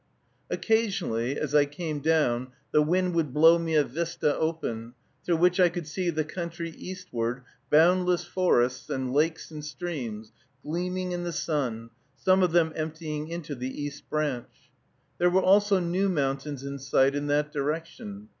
Occasionally, as I came down, the wind would blow me a vista open, through which I could see the country eastward, boundless forests, and lakes, and streams, gleaming in the sun, some of them emptying into the East Branch. There were also new mountains in sight in that direction.